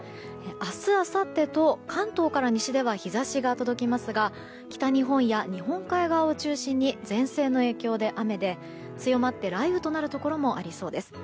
明日、あさってと関東から西では日差しが届きますが北日本や日本海側を中心に前線の影響で雨で強まって雷雨となるところもありそうです。